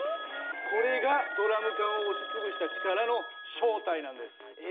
これがドラム缶を押し潰した力の正体なんです。